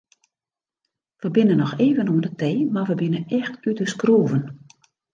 We binne noch even oan de tee mar we binne echt út de skroeven.